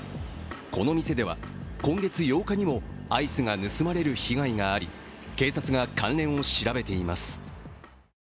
この店では今月８日にもアイスが盗まれる被害があり警察が関連を調べています。